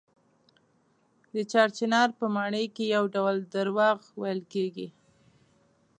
د چار چنار په ماڼۍ کې یو ډول درواغ ویل کېږي.